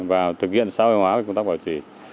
và thực hiện xã hội hóa công tác bảo trì